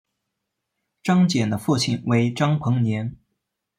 张謇的父亲为张彭年。